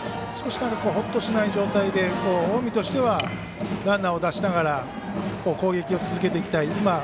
少し、ほっとしない状態で近江としてはランナーを出しながら攻撃を続けていきたい。